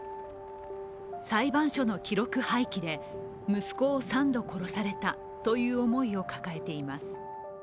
裁判所の記録廃棄で息子を３度殺されたという思いを抱えています。